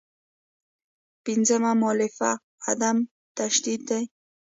پنځمه مولفه عدم تشدد دی.